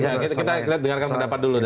kita dengarkan pendapat dulu dari